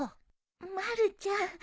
まるちゃん。